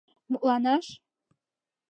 Мутланаш.